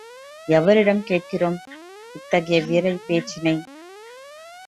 எவரிடம் கேட்கிறோம் இத்தகைய வீரப் பேச்சினை?